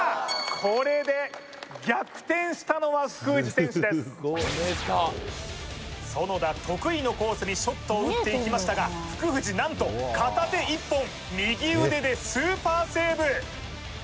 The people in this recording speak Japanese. これで園田得意のコースにショットを打っていきましたが福藤何と片手一本右腕でスーパーセーブ